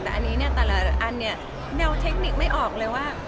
แต่อันนี้เนี่ยแต่ละอันเนี่ยแนวเทคนิคไม่ออกเลยว่า